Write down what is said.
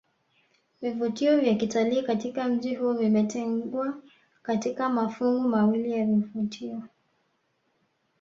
Vivutio vya kitalii katika mji huu vimetengwa katika mafungu mawili ya vivutio